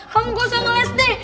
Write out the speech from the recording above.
kamu gak usah ngeles deh